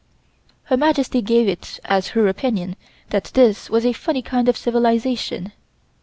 Her Majesty gave it as her opinion that this was a funny kind of civilization.